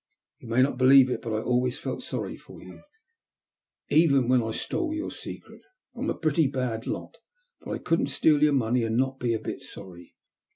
You may not believe it, but I always felt sorry for you, even when I stole your secret. I'm a pretty bad lot, but I couldn't steal your money and not be a bit sorry.